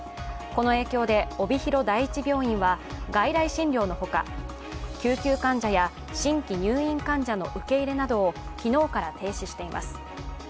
この影響で帯広第一病院は、外来診療の他、救急患者や新規入院患者の受け入れなどを昨日から停止しています。